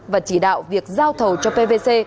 và chỉ đạo việc giao thầu cho pvc